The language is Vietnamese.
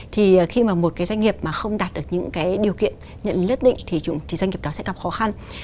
thì khi mà một cái doanh nghiệp mà không đạt được những cái điều kiện nhất định thì doanh nghiệp đó sẽ gặp khó khăn